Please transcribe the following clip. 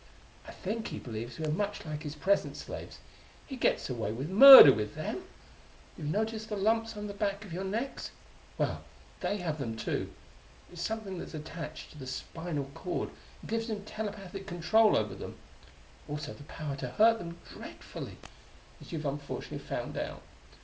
I think he believes we are much like his present slaves: he gets away with murder with them. You've noticed the lumps on the back of your necks? Well, they have them, too; it's something that's attached to the spinal cord and gives him telepathic control over them; also the power to hurt them dreadfully as you've unfortunately found out.